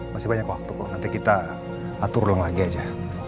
masih banyak waktu nanti kita atur ulang lagi aja